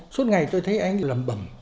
suốt ngày tôi thấy anh lầm bầm